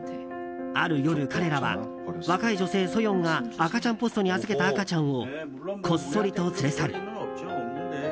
ある夜、彼らは若い女性ソヨンが赤ちゃんポストに預けた赤ちゃんをこっそりと連れ去る。